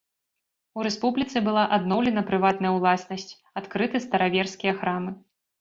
У рэспубліцы была адноўлена прыватная ўласнасць, адкрыты стараверскія храмы.